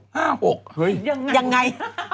เห้ยยังไง๕๖